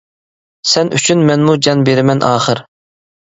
سەن ئۈچۈن مەنمۇ جان بېرىمەن ئاخىر!